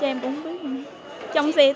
cho em cũng không biết nữa